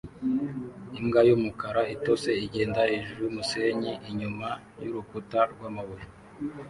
Imbwa yumukara itose igenda hejuru yumusenyi inyuma yurukuta rwamabuye